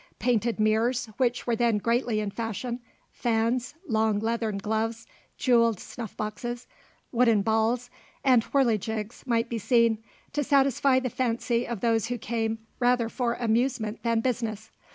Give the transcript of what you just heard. Painted mirrors, which were then greatly in fashion, fans, long leathern gloves, jewelled snuff boxes, wooden balls, and whirligigs might be seen, to satisfy the fancy of those who came rather for amusement than business.